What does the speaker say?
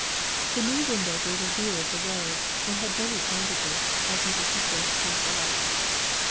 The new window gave a view of the road, and had many advantages, as Mrs. Hepworth pointed out.